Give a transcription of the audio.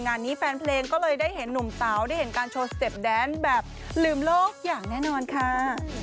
งานนี้แฟนเพลงก็เลยได้เห็นหนุ่มเต๋าได้เห็นการโชว์สเต็ปแดนแบบลืมโลกอย่างแน่นอนค่ะ